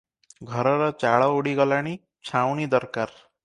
ଘରର ଚାଳ ଉଡ଼ିଗଲାଣି, ଛାଉଣି ଦରକାର ।